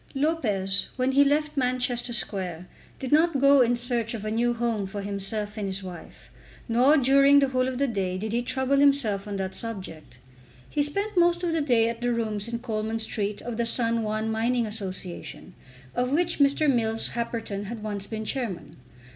Lopez when he left Manchester Square did not go in search of a new home for himself and his wife, nor during the whole of the day did he trouble himself on that subject. He spent most of the day at the rooms in Coleman Street of the San Juan Mining Association, of which Mr. Mills Happerton had once been Chairman.